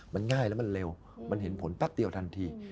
มันง่ายแล้วมันเร็วมันเห็นผลแป๊บเดียวทันที